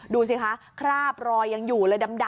ดูสิคะคราบรอยยังอยู่เลยดำ